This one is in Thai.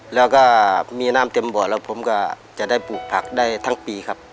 แล้วก็มีน้ำเต็มบ่อแล้วผมก็จะได้ปลูกผักได้ทั้งปีครับ